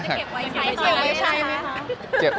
จะเก็บไว้ใช้ไหมคะ